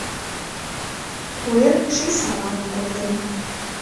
Куэр ший саламым колтен.